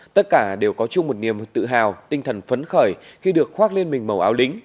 tất cả đều có chung một niềm tự hào tinh thần phấn khởi khi được khoác lên mình màu áo lính